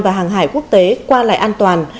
và hàng hải quốc tế qua lại an toàn